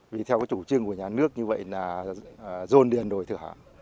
vì theo cái chủ trương của nhà nước như vậy là rôn điền đổi thử hãng